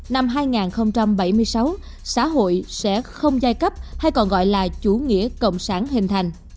năm hai nghìn bảy mươi sáu xã hội sẽ không giai cấp hay còn gọi là chủ nghĩa cộng sản hình thành